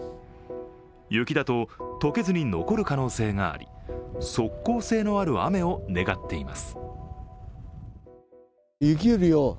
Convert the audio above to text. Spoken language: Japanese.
雪だと解けずに残る可能性があり、即効性のある雨を願っています。